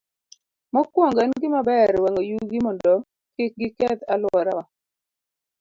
Mokwongo, en gima ber wang'o yugi mondo kik giketh alworawa.